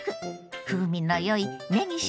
風味のよいねぎ塩